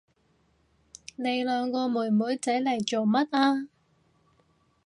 你兩個妹妹仔嚟做乜啊？